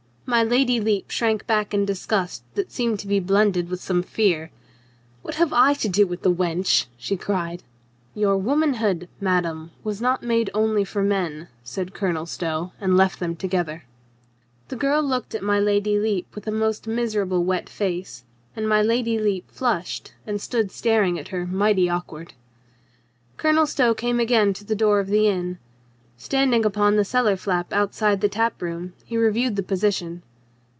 My Lady Lepe shrank back in disgust that seemed to be blended with some fear. "What have I to do with the wench ?" she cried. "Your womanhood, madame, was not made only for men," said Colonel Stow, and left them together. The girl looked at my Lady Lepe with a most miserable wet face, and my Lady Lepe flushed and stood staring at her mighty awkward. Colonel Stow came again to the door of the inn. Standing upon the cellar flap outside the tap room, he reviewed the position.